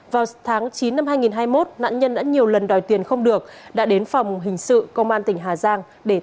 vào tháng chín năm hai nghìn hai mươi một nạn nhân đã nhiều lần đòi tiền không được đã đến phòng hình sự công an tỉnh hà giang để trả lời